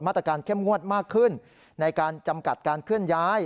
มาตรการเข้มงวดมากขึ้นในการจำกัดการเคลื่อนย้าย